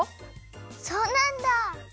そうなんだ。